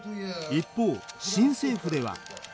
一方新政府では。